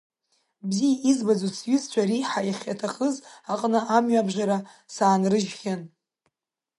Бзиа избаӡоз сҩызцәа, реиҳа иахьаҭахыз аҟны амҩабжара саанрыжьхьан.